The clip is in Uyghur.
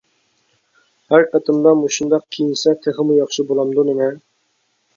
ھەر قېتىمدا مۇشۇنداق كىيىنسە تېخىمۇ ياخشى بولامدۇ نېمە.